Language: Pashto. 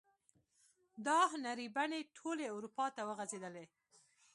دا هنري بڼې ټولې اروپا ته وغزیدلې.